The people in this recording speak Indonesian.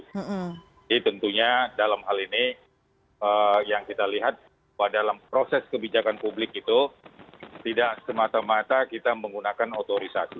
jadi tentunya dalam hal ini yang kita lihat dalam proses kebijakan publik itu tidak semata mata kita menggunakan otorisasi